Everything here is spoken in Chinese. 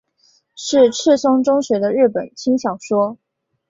是赤松中学的日本轻小说。